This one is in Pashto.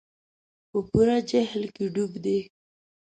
په پوره جهل کې ډوب دي.